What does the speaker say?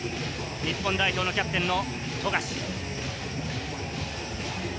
日本代表のキャプテンの富樫。